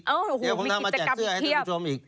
อ้าวมีกิจกรรมอีกเทียบเดี๋ยวผมจะมาแจกเสื้อให้คุณผู้ชมอีก